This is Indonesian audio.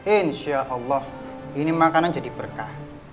insya allah ini makanan jadi berkah